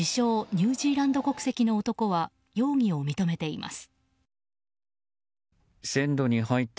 ニュージーランド国籍の男は容疑を認めています。